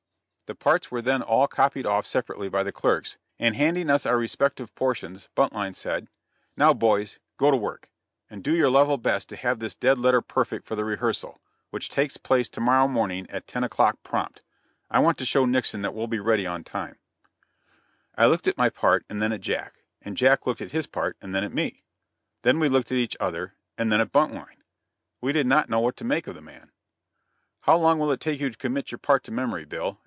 The parts were then all copied off separately by the clerks, and handing us our respective portions Buntline said: "Now, boys, go to work, and do your level best to have this dead letter perfect for the rehearsal, which takes place to morrow morning at ten o'clock, prompt. I want to show Nixon that we'll be ready on time." [Illustration: STUDYING THE PARTS.] I looked at my part and then at Jack; and Jack looked at his part and then at me. Then we looked at each other, and then at Buntline. We did not know what to make of the man. "How long will it take you to commit your part to memory, Bill?"